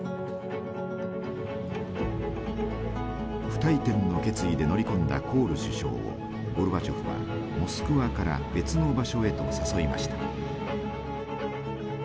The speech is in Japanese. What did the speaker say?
不退転の決意で乗り込んだコール首相をゴルバチョフはモスクワから別の場所へと誘いました。